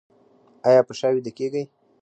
ایا په شا ویده کیږئ؟